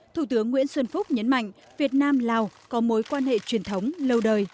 thủ tướng nguyễn xuân phúc nhấn mạnh việt nam lào có mối quan hệ truyền thống lâu đời